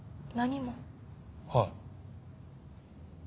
はい。